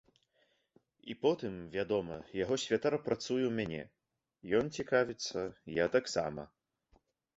І потым, вядома, яго святар працуе ў мяне, ён цікавіцца, я таксама.